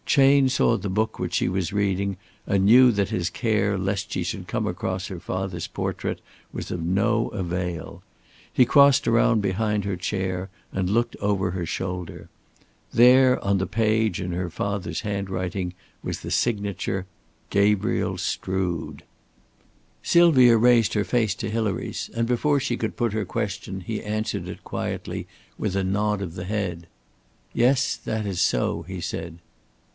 Chayne saw the book which she was reading and knew that his care lest she should come across her father's portrait was of no avail. He crossed round behind her chair and looked over her shoulder. There on the page in her father's handwriting was the signature: "Gabriel Strood." Sylvia raised her face to Hilary's, and before she could put her question he answered it quietly with a nod of the head. "Yes, that is so," he said.